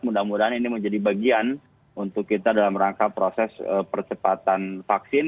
mudah mudahan ini menjadi bagian untuk kita dalam rangka proses percepatan vaksin